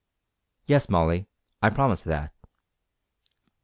"Yes, Molly, I promise that."